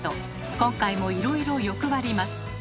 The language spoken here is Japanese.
今回もいろいろ欲張ります。